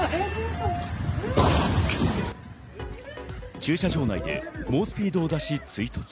駐車場内で猛スピードを出し追突。